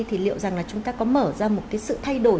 thì liệu rằng là chúng ta có mở ra một cái sự thay đổi